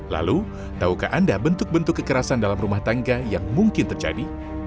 lalu tahukah anda bentuk bentuk kekerasan dalam rumah tangga yang mungkin terjadi